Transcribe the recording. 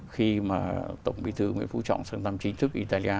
khi mà tổng bí thư nguyễn phú trọng sáng tầm chính thức italia